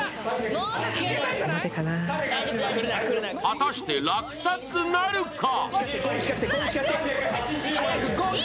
果たして落札なるか。